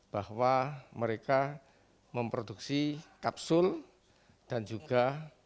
bahwa mereka memproduksi kapsul dan juga